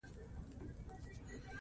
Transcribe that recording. په افغانستان کې هرات ډېر اهمیت لري.